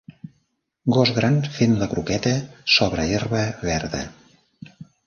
Gos gran fent la croqueta sobre herba verda.